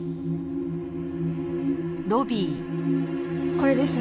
これです。